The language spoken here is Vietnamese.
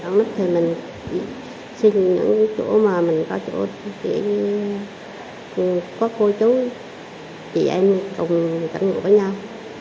nứt thì mình xin những chỗ mà mình có chỗ để có cô chú chị em cùng tránh ngủ với nhau